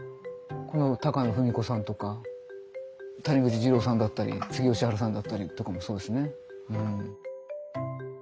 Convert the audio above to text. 高野文子さんとか谷口ジローさんだったりつげ義春さんだったりとかもそうですね。